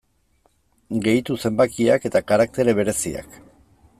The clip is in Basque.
Gehitu zenbakiak eta karaktere bereziak.